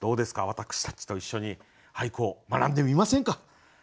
私たちと一緒に俳句を学んでみませんか。